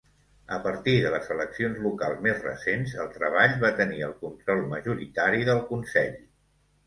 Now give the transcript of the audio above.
A partir de les eleccions locals més recents, el treball va tenir el control majoritari del Consell.